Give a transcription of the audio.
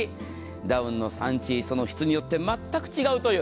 ダウンの産地、その質によってまったく違うという。